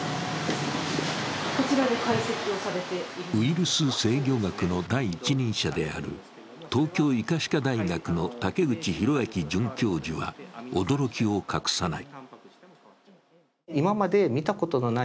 ウイルス制御学の第一人者である東京医科歯科大学の武内寛明准教授は驚きを隠さない。